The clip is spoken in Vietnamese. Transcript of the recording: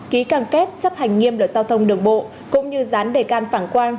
ký càng kết chấp hành nghiêm đợt giao thông đường bộ cũng như rán đề can phản quang